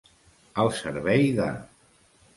Al servei de.